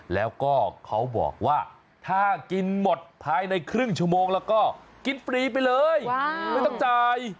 แล้วก็เขาบอกว่าถ้ากินหมดภายในครึ่งชั่วโมงแล้วก็กินฟรีไปเลยไม่ต้องจ่าย